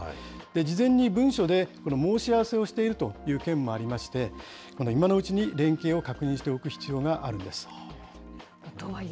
事前に文書で申し合わせをしているという県もありまして、今のうちに連携を確認しておく必要があとはいえ